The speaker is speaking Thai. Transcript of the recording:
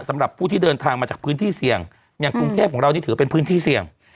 สำหรับผู้ที่เดินทางมาจากพื้นที่เสี่ยงอย่างกรุงเทพของเรานี่ถือว่าเป็นพื้นที่เสี่ยง